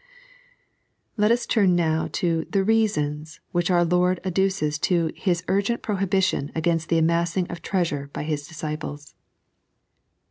Let us turn now to THB bsasoits which our Lord adduces fob Hia UBOEMT pkohibhtoit against the amassing of treasure by His disciples.